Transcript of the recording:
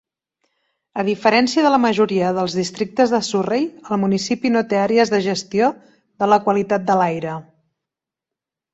A diferència de la majoria dels districtes de Surrey, el municipi no té àrees de gestió de la qualitat de l'aire.